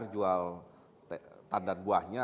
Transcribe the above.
jual tandat buahnya